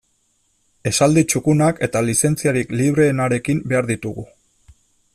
Esaldi txukunak eta lizentziarik libreenarekin behar ditugu.